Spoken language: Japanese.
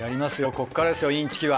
こっからですよインチキは。